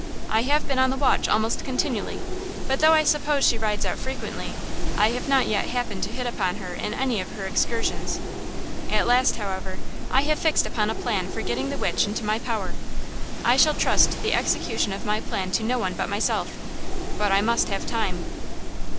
I have been on the watch almost continually; but, though I suppose she rides out frequently, I have not yet happened to hit upon her in any of her excursions. At last, however, I have fixed upon a plan for getting the witch into my power. I shall trust the execution of my plan to no one but myself. But I must have time."